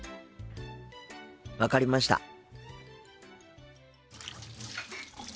分かりました。